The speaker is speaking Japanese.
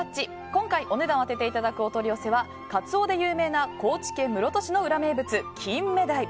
今回お値段を当てていただくお取り寄せはカツオで有名な高知県室戸市の裏名物キンメダイ。